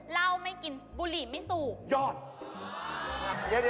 เหล้าไม่กินบุหรี่ไม่สูบยอด